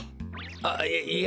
あっいいや。